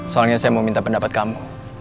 soalnya saya mau minta pendapat kamu